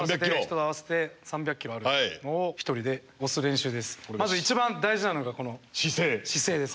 人合わせて３００ｋｇあるのをひとりで押す練習です。